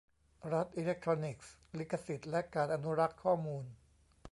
รัฐอิเล็กทรอนิกส์ : ลิขสิทธิ์และการอนุรักษ์ข้อมูล